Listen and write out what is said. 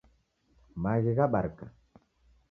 Maghi ghabarika